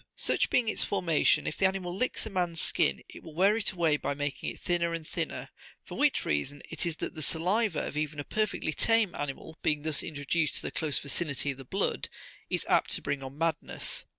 Such being its formation, if the animal licks a man's skin, it will wear it away by making it thinner and thinner ; for which reason it is that the saliva of even a perfectly tame animal, being thus introduced to the close vicinity of the blood, is apt to bring on madness.